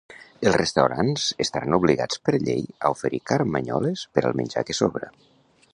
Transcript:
Els restaurants estaran obligats per llei a oferir carmanyoles per al menjar que sobra.